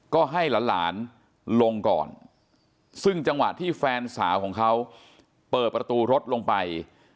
ก็ให้หลานลงก่อนซึ่งจังหวะที่แฟนสาวของเขาเปิดประตูรถลงไป